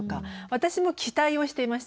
私も期待をしていました。